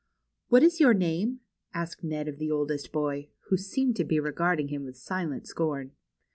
What is your name ?" asked Ned of the oldest boy, who seemed to be regarding him with silent scorn.